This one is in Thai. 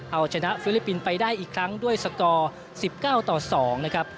เอาชนะฟิลิปปินส์ไปได้อีกครั้งด้วยสกอร์๑๙ต่อ๒นะครับ